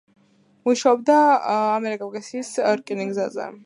მუშაობდა ამიერკავკასიის რკინიგზაზე.